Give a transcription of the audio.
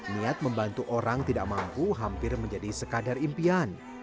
niat membantu orang tidak mampu hampir menjadi sekadar impian